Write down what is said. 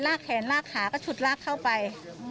แขนลากขาก็ฉุดลากเข้าไป